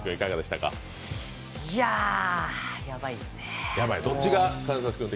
いやヤバいですね。